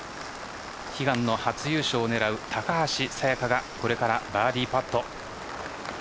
悲願の初優勝を狙う高橋彩華がこれからバーディーパット。